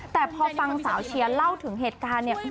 แต่พอฟังสาวเชียร์เล่าถึงเหตุการณ์เนี่ย